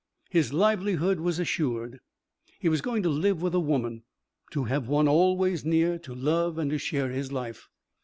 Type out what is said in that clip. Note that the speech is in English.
His livelihood was assured. He was going to live with a woman, to have one always near to love and to share his life.